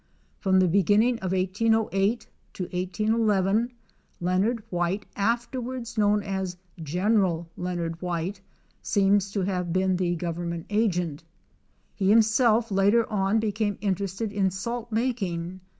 From the beginning of 1808 to 1811 Leonard White afterwards known as Gen. Leonard White, seems to have been the Government agent, He himself later on became interested in salt making.